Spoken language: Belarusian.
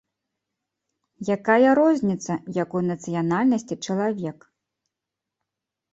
Якая розніца, якой нацыянальнасці чалавек.